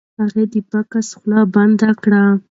هغه د بکس خوله بنده کړه. .